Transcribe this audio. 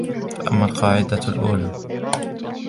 فَأَمَّا الْقَاعِدَةُ الْأُولَى